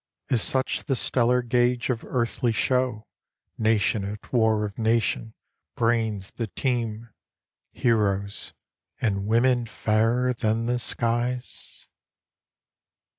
Is such the stellar gauge of earthly show, Nation at war with nation, brains that teem, Heroes, and women fairer than the skies?